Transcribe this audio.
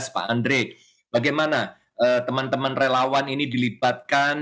pak andre bagaimana teman teman relawan ini dilibatkan